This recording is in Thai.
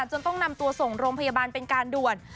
จนต้องนำตัวส่งโรงพยาบาลเป็นการด่วน